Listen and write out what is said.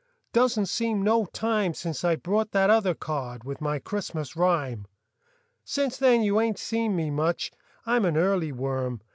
Doesn't seem no time Since I brought that other card With my Christmas rhyme. Since then you ain't seen me much ; I'm an early worm.